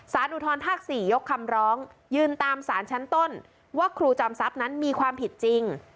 อุทธรภาค๔ยกคำร้องยืนตามสารชั้นต้นว่าครูจอมทรัพย์นั้นมีความผิดจริง